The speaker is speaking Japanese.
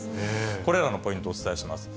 これらのポイントをお伝えします。